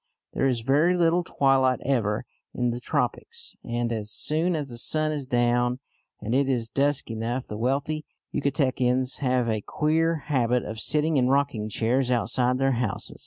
There is very little twilight ever in the tropics, and as soon as the sun is down and it is dusk enough, the wealthy Yucatecans have a queer habit of sitting in rocking chairs outside their houses.